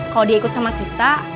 kalau dia ikut sama kita